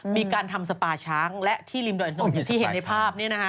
มีการทำสปาช้างและที่ริมดอยนอย่างที่เห็นในภาพ